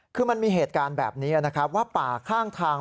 คือมันมีเหตุการณ์แบบนี้นะครับว่าป่าข้างทาง